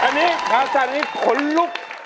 อันนี้ทางสถานีขนลุก